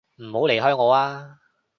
唔好離開我啊！